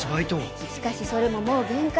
しかしそれももう限界。